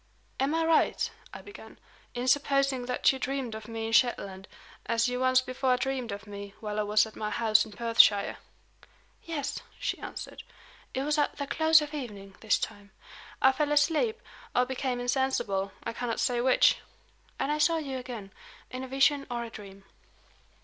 "Am I right," I began, "in supposing that you dreamed of me in Shetland, as you once before dreamed of me while I was at my house in Perthshire?" "Yes," she answered. "It was at the close of evening, this time. I fell asleep, or became insensible I cannot say which. And I saw you again, in a vision or a dream."